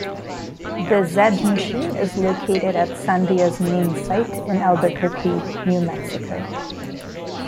The Z machine is located at Sandia's main site in Albuquerque, New Mexico.